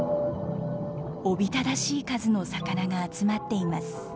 おびただしい数の魚が集まっています。